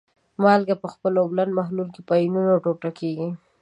مالګې په خپل اوبلن محلول کې په آیونونو ټوټه کیږي.